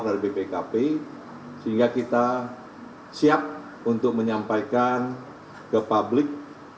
dari bpkp sehingga kita siap untuk menyampaikan ke publik